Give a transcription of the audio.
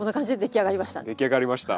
出来上がりました。